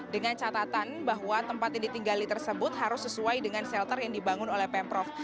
dengan catatan bahwa tempat yang ditinggali tersebut harus sesuai dengan shelter yang dibangun oleh pemprov